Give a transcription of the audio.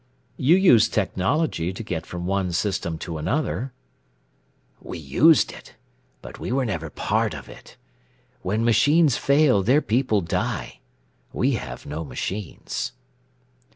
"You used technology to get from one system to another." "We used it, but we were never part of it. When machines fail, their people die. We have no machines."